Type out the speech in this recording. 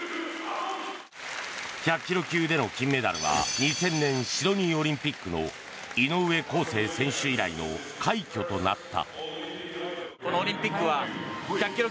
１００ｋｇ級での金メダルは２０００年のシドニーオリンピックの井上康生選手以来の快挙となった。